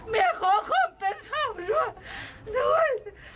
แม่ขอความเป็นธรรมด้วยหนุ่ย